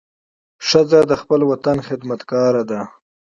ښځه د خپل وطن خدمتګاره ده.